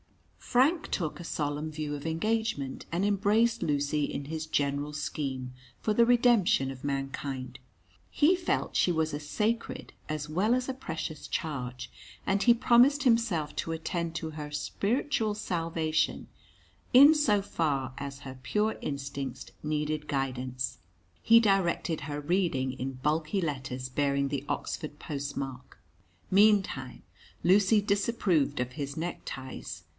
Frank took a solemn view of engagement, and embraced Lucy in his general scheme for the redemption of mankind. He felt she was a sacred as well as a precious charge, and he promised himself to attend to her spiritual salvation in so far as her pure instincts needed guidance. He directed her reading in bulky letters bearing the Oxford post mark. Meantime, Lucy disapproved of his neckties.